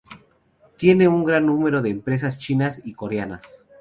Tiene un gran número de empresas chinas y coreanas.